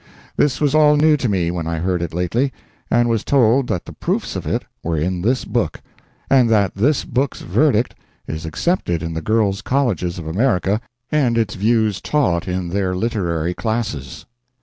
This was all new to me when I heard it lately, and was told that the proofs of it were in this book, and that this book's verdict is accepted in the girls' colleges of America and its view taught in their literary classes.